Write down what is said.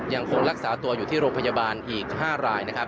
ยังคงรักษาตัวอยู่ที่โรงพยาบาลอีก๕รายนะครับ